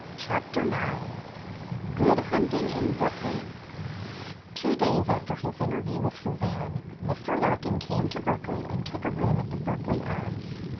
CHAPTER IX—GOOD HUNTING IN BERKELEY Two days after his interview with Suzanne, Mr. Larkin came to Berkeley and took a room at the Berkeley Arms.